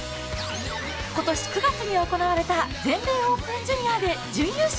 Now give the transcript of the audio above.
今年９月に行われた全米オープンジュニアで準優勝。